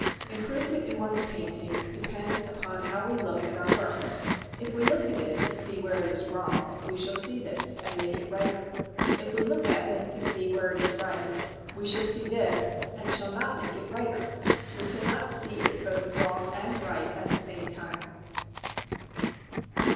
Improvement in one's painting depends upon how we look at our work. If we look at it to see where it is wrong, we shall see this and make it righter. If we look at it to see where it is right, we shall see this and shall not make it righter. We cannot see it both wrong and right at the same time.